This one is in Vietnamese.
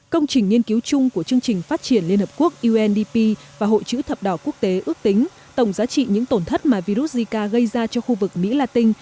công trình nghiên cứu chung của chương trình phát triển liên hợp quốc undp và hội chữ thập đỏ quốc tế ước tính tổng giá trị những tổn thất mà virus zika gây ra cho khu vực mỹ la tinh